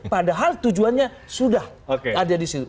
padahal tujuannya sudah ada di situ